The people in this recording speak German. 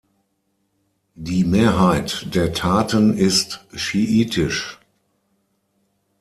Die Mehrheit der Taten ist schiitisch.